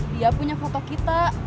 dia punya foto kita